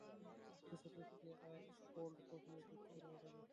দুটো পেপসি আর কোল্ড কফিও যোগ কর অর্ডারে।